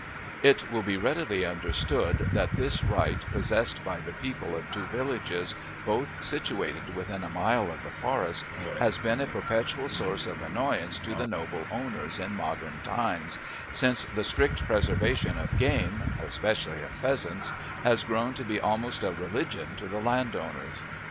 It will be readily understood that this right possessed by the people of two villages, both situated within a mile of the forest, has been a perpetual source of annoyance to the noble owners in modern times, since the strict preservation of game, especially of pheasants, has grown to be almost a religion to the landowners.